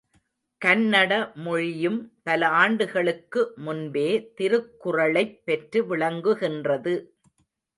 கன்னட மொழியும் பல ஆண்டுகளுக்கு முன்பே திருக்குறளைப் பெற்று விளங்குகின்றது.